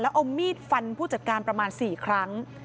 เอามีดฟันผู้จัดการประมาณ๔ครั้ง